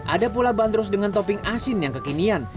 ada pula bandros dengan topping asin yang kekinian